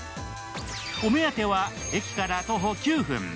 お目当ては、駅から徒歩９分。